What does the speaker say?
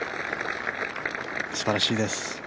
すばらしいです。